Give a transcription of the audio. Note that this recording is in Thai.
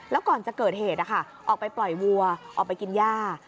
แล้วก่อนจะเกิดเหตุออกไปปล่อยวัวออกไปกินย่า